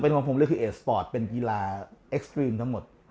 เป็นผมขึ้นแชมเป็นกีฬาเอสทริมทั้งหมด